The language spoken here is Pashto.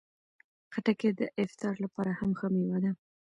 خټکی د افطار لپاره هم ښه مېوه ده.